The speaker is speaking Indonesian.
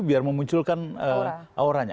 biar memunculkan auranya